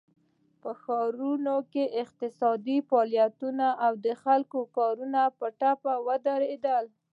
په ښارونو کې اقتصادي فعالیتونه او د خلکو کارونه په ټپه ودرېدل.